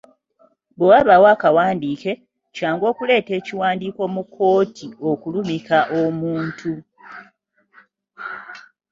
Bwe wabaawo akawandiike, kyangu okuleeta ekiwandiiko mu kkoti okulumika omuntu.